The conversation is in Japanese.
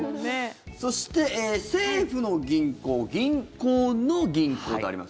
そして、政府の銀行銀行の銀行があります。